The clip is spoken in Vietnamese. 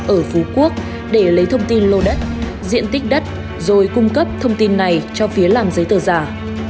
ở phú quốc để lấy thông tin lô đất diện tích đất rồi cung cấp thông tin này cho phía làm giấy tờ giả